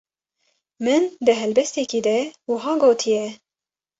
Min di helbestekî de wiha gotiye: